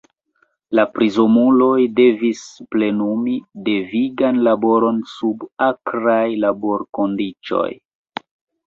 La prizonuloj devis plenumi devigan laboron sub akraj laborkondiĉoj.